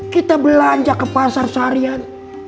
kita belanja ke pasar seharian